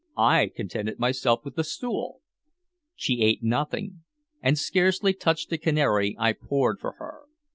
I contented myself with the stool. She ate nothing, and scarcely touched the canary I poured for her.